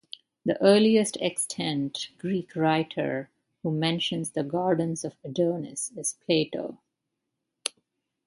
The earliest extant Greek writer who mentions the gardens of Adonis is Plato.